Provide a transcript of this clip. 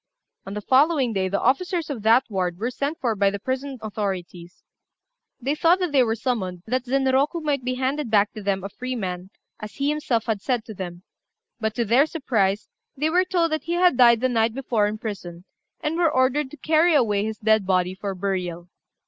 On the following day, the officers of that ward were sent for by the prison authorities. They thought that they were summoned that Zenroku might be handed back to them a free man, as he himself had said to them; but to their surprise, they were told that he had died the night before in prison, and were ordered to carry away his dead body for burial.